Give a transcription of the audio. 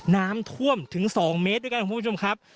น้ำท่วมถึง๒เมตรด้วยกันคุณผู้ชมครับ